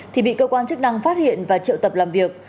thì bị cơ quan chức năng phát hiện và triệu tập làm việc